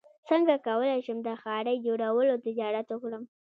څنګه کولی شم د ښارۍ جوړولو تجارت وکړم